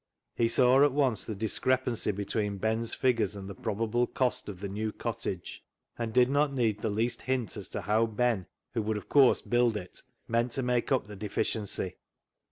He saw at once the discrepancy be tween Ben's figures and the probable cost of the new cottage, and did not need the least hint as to how Ben, who would of course build it, meant to make up the deficiency.